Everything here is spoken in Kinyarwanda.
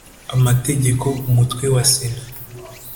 Amategeko Umutwe wa Sena